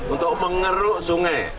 untuk mengeruk sungai